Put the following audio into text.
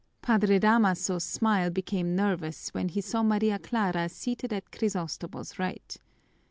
Padre Damaso's smile became nervous when he saw Maria Clara seated at Crisostomo's right.